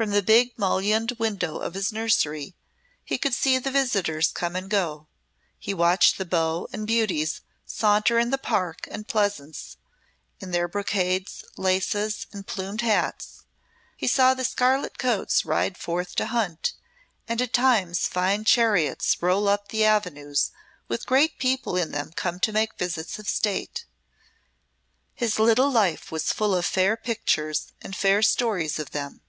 From the big mullioned window of his nursery he could see the visitors come and go, he watched the beaux and beauties saunter in the park and pleasaunce in their brocades, laces, and plumed hats, he saw the scarlet coats ride forth to hunt, and at times fine chariots roll up the avenue with great people in them come to make visits of state. His little life was full of fair pictures and fair stories of them.